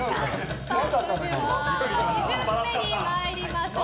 ２周目に参りましょう。